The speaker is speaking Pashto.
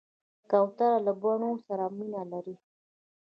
کوتره له بڼو سره مینه لري.